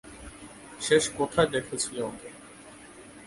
শেষ কোথায় দেখেছিলে ওকে?